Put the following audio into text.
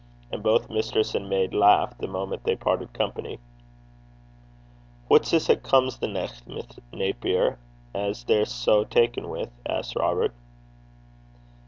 And both mistress and maid laughed the moment they parted company. 'Wha's this 'at's come the nicht, Miss Naper, 'at they're sae ta'en wi'?' asked Robert.